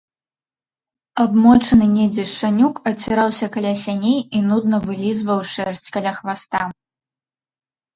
Абмочаны недзе шчанюк аціраўся каля сяней і нудна вылізваў шэрсць каля хваста.